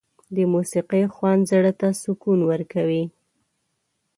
د موسيقۍ خوند زړه ته سکون ورکوي.